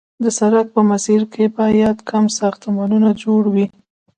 د سړک په مسیر کې باید کم ساختمانونه موجود وي